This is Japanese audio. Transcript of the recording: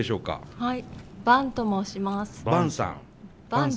はい。